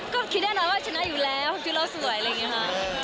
ก็คิดแน่นอนว่าชนะอยู่แล้วคิดเราสวยอะไรอย่างนี้ค่ะ